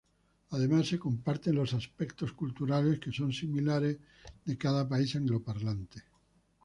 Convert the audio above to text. Además, se comparten los aspectos culturales que son similares de cada país angloparlante.